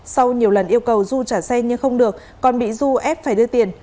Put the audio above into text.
sau nhiều lần yêu cầu du trả xe nhưng không được còn bị du ép phải đưa tiền